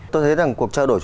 tôi thấy rằng cuộc trao đổi này